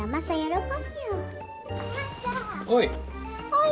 はい。